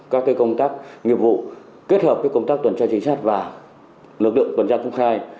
các công tác nghiệp vụ kết hợp với công tác tuần tra chính sát và lực lượng tuần tra công khai